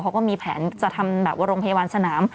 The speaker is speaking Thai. เขาก็มีแผนจะทำแบบว่าโรงพยาบาลสนาม